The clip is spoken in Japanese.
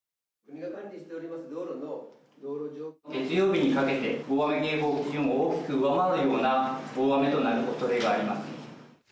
月曜日にかけて、大雨警報基準を大きく上回るような大雨となるおそれがあります。